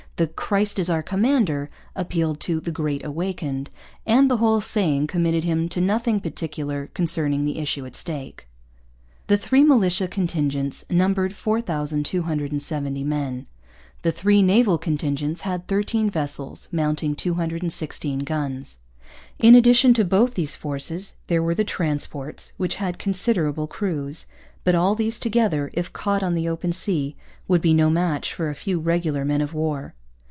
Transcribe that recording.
The 'Christ our Commander' appealed to the 'Great Awakened.' And the whole saying committed him to nothing particular concerning the issue at stake. The three militia contingents numbered 4,270 men. The three naval contingents had 13 vessels mounting 216 guns. In addition to both these forces there were the transports, which had considerable crews. But all these together, if caught on the open sea, would be no match for a few regular men of war.